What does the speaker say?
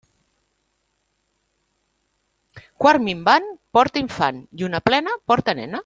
Quart minvant porta infant; lluna plena porta nena.